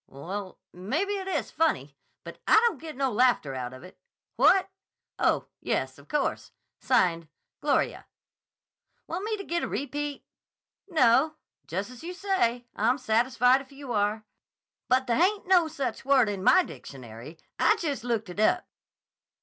Well, mebbe it is funny, but I don't get no laughter out of it. What?... Oh, yes; of course. Signed Gloria. Want me to get a repeat? No. Jussuz you say; I'm sat'sfied if you are. But theh ain't no sech a word in my dictionary. I jest looked it up."